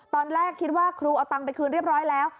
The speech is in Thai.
ตอนแรกคิดว่าครูเอาตังค์ไปคืนเรียบร้อยแล้ว